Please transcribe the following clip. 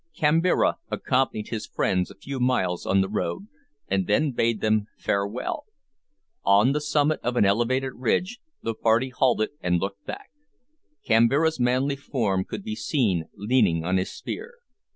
Kambira accompanied his friends a few miles on the road, and then bade them farewell. On the summit of an elevated ridge the party halted and looked back. Kambira's manly form could be seen leaning on his spear.